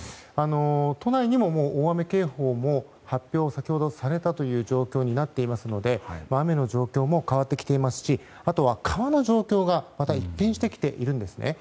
都内にも大雨警報も先ほど発表された状況になっていますので雨の状況も変わってきていますしあとは、川の状況がまた一変してきています。